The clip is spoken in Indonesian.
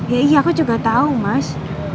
ya iya aku juga tahu mas